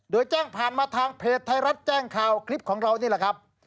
โดยแจ้งผ่านมาทางเพจไทยรัฐแจ้งข่าวคลิปของเรานี่แหละครับ